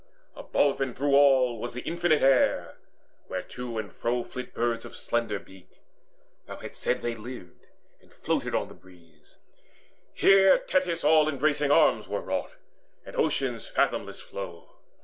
Above and through all was the infinite air Where to and fro flit birds of slender beak: Thou hadst said they lived, and floated on the breeze. Here Tethys' all embracing arms were wrought, And Ocean's fathomless flow.